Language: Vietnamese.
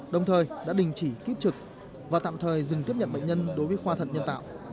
đồng thời đã đình chỉ kiếp trực và tạm thời dừng tiếp nhận bệnh nhân đối với khoa thận nhân tạo